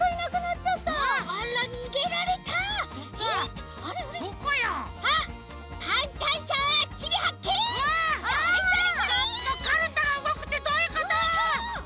ちょっとカルタがうごくってどういうこと！？